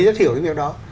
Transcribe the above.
rất hiểu cái việc đó